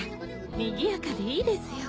にぎやかでいいですよ。